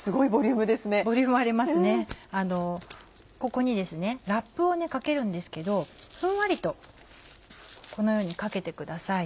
ここにラップをかけるんですけどふんわりとこのようにかけてください。